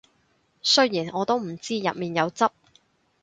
雖然我都唔知入面有汁